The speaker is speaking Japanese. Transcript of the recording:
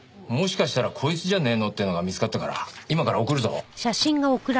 もしかしたらこいつじゃねえのってのが見つかったから今から送るぞ。